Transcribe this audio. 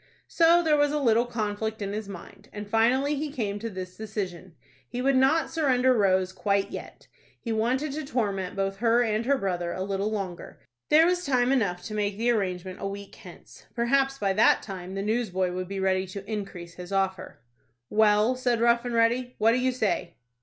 So there was a little conflict in his mind, and finally he came to this decision. He would not surrender Rose quite yet. He wanted to torment both her and her brother a little longer. There was time enough to make the arrangement a week hence. Perhaps by that time the newsboy would be ready to increase his offer. "Well," said Rough and Ready, "what do you say?"